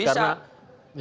anda sudah bisa